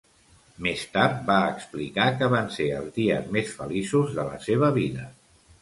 Més tard va explicar que van ser els dies més feliços de la seva vida.